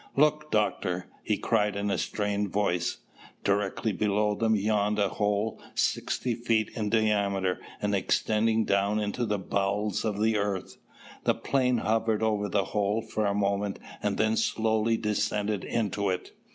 "Look, Doctor!" he cried in a strained voice. Directly below them yawned a hole sixty feet in diameter and extending down into the bowels of the earth. The plane hovered over the hole for a moment and then slowly descended into it.